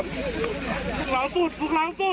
ดูสิคะแต่ละคนกอดคอกันหลั่นน้ำตา